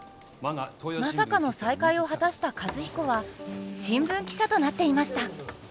まさかの再会を果たした和彦は新聞記者となっていました。